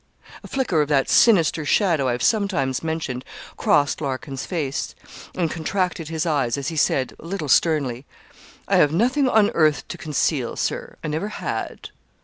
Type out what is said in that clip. A flicker of that sinister shadow I have sometimes mentioned crossed Larkin's face, and contracted his eyes, as he said, a little sternly 'I have nothing on earth to conceal, Sir; I never had.